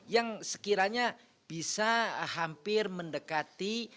yang sekiranya bisa hampir mendekati